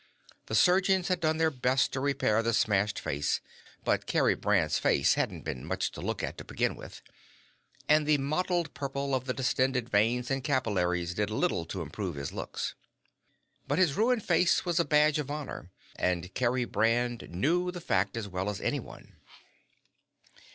The surgeons had done their best to repair the smashed face, but Kerry Brand's face hadn't been much to look at to begin with. And the mottled purple of the distended veins and capillaries did little to improve his looks. But his ruined face was a badge of honor, and Kerry Brand knew the fact as well as anyone.